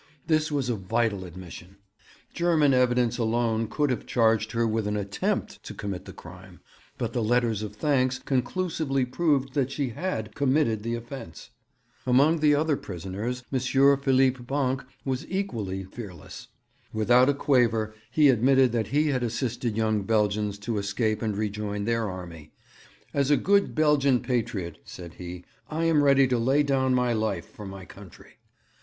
This was a vital admission. German evidence alone could have charged her with an 'attempt' to commit the crime, but the letters of thanks conclusively proved that she had 'committed' the offence. Among the other prisoners, M. Philippe Bancq was equally fearless. Without a quaver he admitted that he had assisted young Belgians to escape and rejoin their army. 'As a good Belgian patriot,' said he, 'I am ready to lay down my life for my country.'